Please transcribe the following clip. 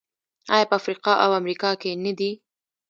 آیا په افریقا او امریکا کې نه دي؟